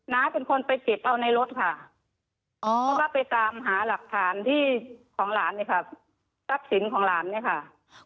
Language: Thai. ้าเป็นคนไปเก็บเอาในรถค่ะเพราะว่าไปตามหาหลักฐานที่ของหลานเนี่ยค่ะทรัพย์สินของหลานเนี่ยค่ะ